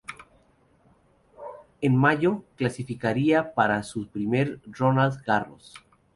En mayo clasificaría para su primer Roland Garros.